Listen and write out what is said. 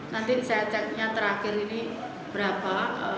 nanti saya ceknya terakhir ini berapa